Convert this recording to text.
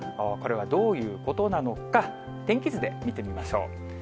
これはどういうことなのか、天気図で見てみましょう。